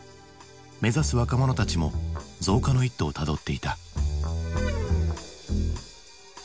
目指す若者たちも増加の一途をたどっていた。